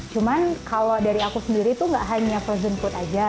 cuman kalau dari aku sendiri tuh gak hanya frozen food aja